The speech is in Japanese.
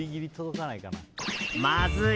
まずい。